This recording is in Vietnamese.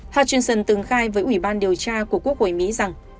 hanson từng khai với ủy ban điều tra của quốc hội mỹ rằng